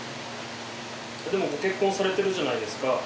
でもご結婚されてるじゃないですか。